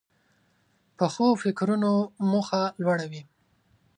پخو فکرونو موخه لوړه وي